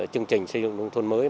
chương trình xây dựng nông thôn mới